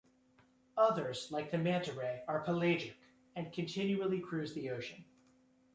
Others, like the manta ray, are pelagic, and continually cruise the ocean.